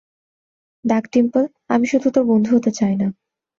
দেখ ডিম্পল, আমি শুধু তোর বন্ধু হতে চাই না।